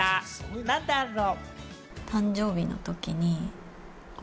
何だろう？